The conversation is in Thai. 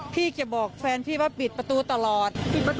พี่จะบอกแฟนพี่ว่าปิดประตูตลอด